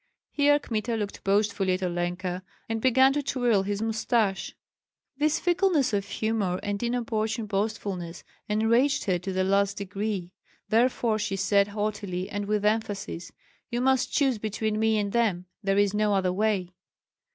Here Kmita looked boastfully at Olenka, and began to twirl his mustache. This fickleness of humor and inopportune boastfulness enraged her to the last degree; therefore she said haughtily and with emphasis, "You must choose between me and them; there is no other way."